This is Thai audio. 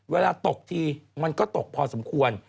เวลาตกทีมันก็ตกพอสมควร